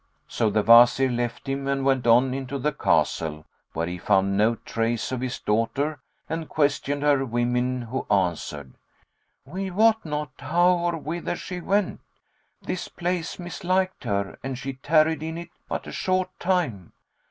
"[FN#74] So the Wazir left him and went on into the castle, where he found no trace of his daughter and questioned her women, who answered, "We wot not how or whither she went; this place misliked her and she tarried in it but a short time."